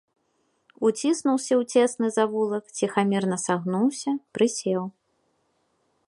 Уціснуўся ў цесны завулак, ціхамірна сагнуўся, прысеў.